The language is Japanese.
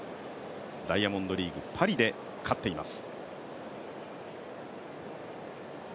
ダイヤモンドリーグ・パリで勝っています。